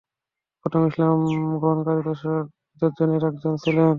প্রথম ইসলাম গ্রহণকারী দশজনের একজন ছিলেন।